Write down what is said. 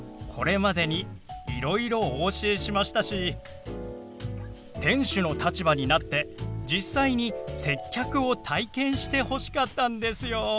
これまでにいろいろお教えしましたし店主の立場になって実際に接客を体験してほしかったんですよ。